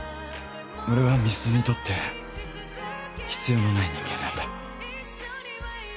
俺は美鈴にとって必要のない人間なんだ。